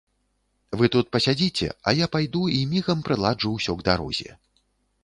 Вы тут пасядзіце, а я пайду і мігам прыладжу ўсё к дарозе.